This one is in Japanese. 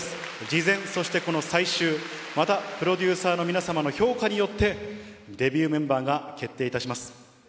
事前、そしてこの最終、またプロデューサーの皆様の評価によって、デビューメンバーが決定いたします。